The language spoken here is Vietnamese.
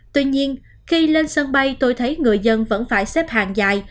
tuy nhiên khi lên sân bay tôi thấy người dân vẫn phải xếp hàng dài